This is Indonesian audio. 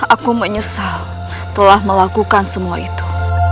aku menyesal telah melakukan semua itu